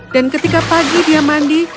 dan ketika pagi dia mandi